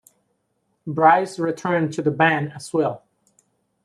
Brize returned to the band as well.